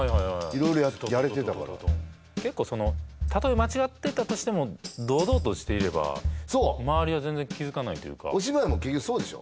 色々やれてたから結構そのたとえ間違ってたとしても堂々としていれば周りは全然気づかないというかお芝居も結局そうでしょ？